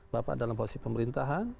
bapak dalam posisi pemerintahan